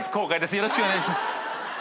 よろしくお願いします。